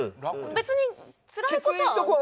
別につらい事は。